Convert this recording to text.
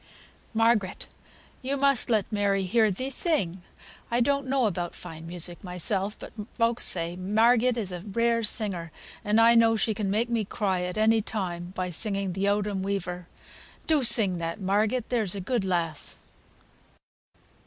"Margaret, thou must let Mary hear thee sing. I don't know about fine music myself, but folks say Margaret is a rare singer, and I know she can make me cry at any time by singing 'Th' Owdham Weaver.' Do sing that, Margaret, there's a good lass."